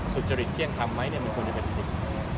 สุจริงเที่ยงคำไหมเนี่ยมันควรจะเป็นสิ่ง